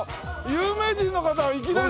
有名人の方がいきなり！